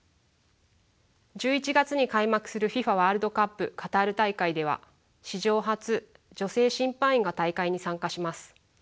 １１月に開幕するＦＩＦＡワールドカップカタール大会では史上初女性審判員が大会に参加します。